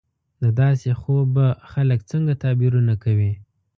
د داسې خوب به خلک څنګه تعبیرونه کوي